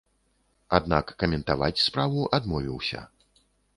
Аднак каментаваць справу адмовіўся.